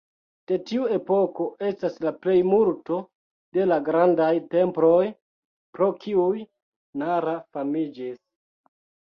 De tiu epoko estas la plejmulto de la grandaj temploj pro kiuj Nara famiĝis.